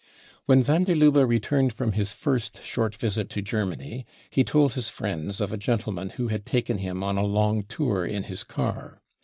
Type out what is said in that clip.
When van der Lubbe returned from his first short visit to Germany he told his friends of a gentleman who had taken him on a long tour in his car.